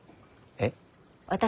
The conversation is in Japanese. えっ。